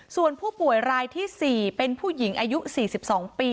ส่วนผู้ป่วยรายที่๔เป็นผู้หญิงอายุ๔๒ปี